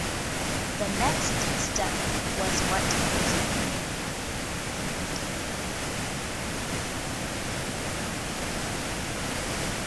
The next step was what puzzled me.